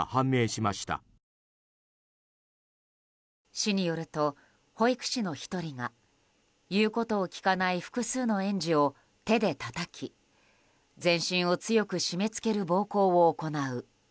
市によると保育士の１人が言うことを聞かない複数の園児を手でたたき、全身を強く締め付ける暴行を行う。